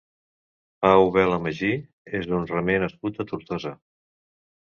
Pau Vela Maggi és un remer nascut a Tortosa.